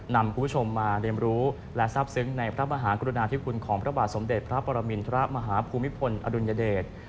นำคุณผู้ชมมาเรียนรู้และทราบซึ้งในพระมหากรุณาธิคุณของพระบาทสมเด็จพระปรมินทรมาฮภูมิพลอดุลยเดช